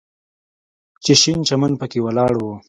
چې شين چمن پکښې ولاړ و.